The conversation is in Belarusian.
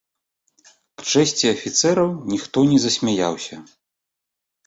К чэсці афіцэраў, ніхто не засмяяўся.